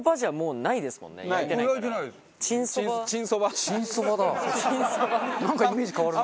なんかイメージ変わるな。